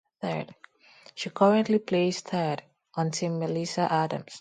She currently plays third on Team Melissa Adams.